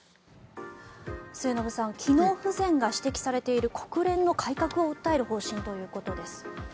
末延さん機能不全が指摘されている国連の改革を訴える方針ということです。